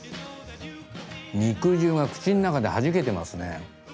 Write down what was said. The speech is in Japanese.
肉汁が口の中ではじけてますね。